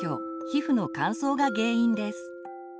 皮膚の乾燥が原因です。